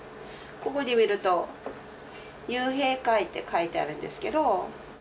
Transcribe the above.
ここ見ると、竜兵会って書いてあるんですけど。